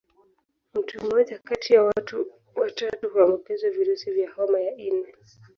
Mtu mmoja kati ya watu watatu huambukizwa virusi vya homa ya ini